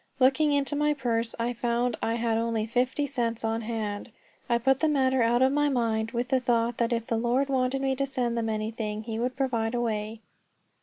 Looking into my purse, I found I had only fifty cents on hand. I put the matter out of my mind, with the thought that if the Lord wanted me to send them anything he would provide a way.